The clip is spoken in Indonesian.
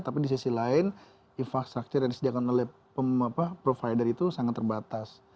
tapi di sisi lain infrastruktur yang disediakan oleh provider itu sangat terbatas